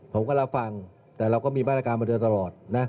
ผมก็รับฟังแต่เราก็มีบรรทการมาเยอะไว้ตลอด